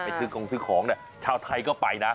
ซื้อของซื้อของเนี่ยชาวไทยก็ไปนะ